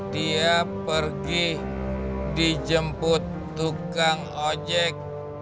dia pergi dijemput tukang ojek